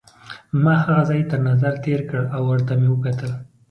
ما هغه ځای تر نظر تېر کړ او ورته مې وکتل.